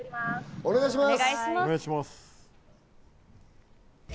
お願いします。